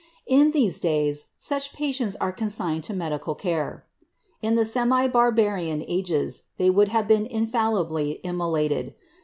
In these days, such patients are eoosigned to medical care. In the semi barbarian ages, they would have been iniallibly immolated.